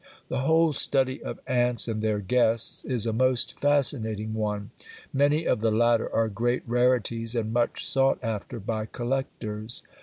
The whole study of ants and their guests is a most fascinating one: many of the latter are great rarities and much sought after by collectors.